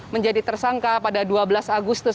menjadi tersangka pada dua belas agustus